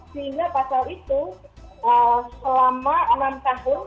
sehingga pasal itu selama enam tahun